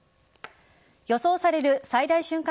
予想される最大瞬間